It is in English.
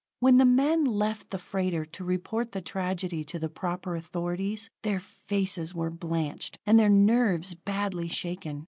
When the men left the freighter to report the tragedy to the proper authorities, their faces were blanched, and their nerves badly shaken.